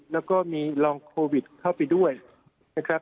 แล้วก็มีรองโควิดเข้าไปด้วยนะครับ